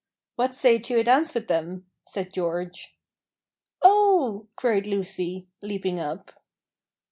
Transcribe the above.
"What say to a dance with them?" said George. "Oh!" cried Lucy, leaping up.